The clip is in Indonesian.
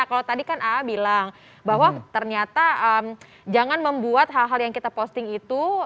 kalau tadi kan aa bilang bahwa ternyata jangan membuat hal hal yang kita posting itu